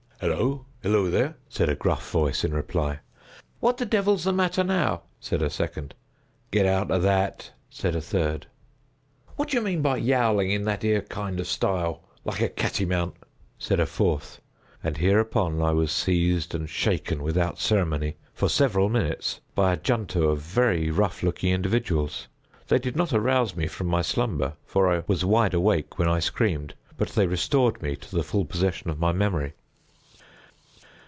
"Hillo! hillo, there!" said a gruff voice, in reply. "What the devil's the matter now!" said a second. "Get out o' that!" said a third. "What do you mean by yowling in that ere kind of style, like a cattymount?" said a fourth; and hereupon I was seized and shaken without ceremony, for several minutes, by a junto of very rough looking individuals. They did not arouse me from my slumber—for I was wide awake when I screamed—but they restored me to the full possession of my memory.